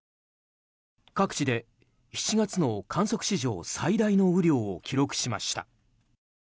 各地で７月の観測史上最大の雨量を記録しました。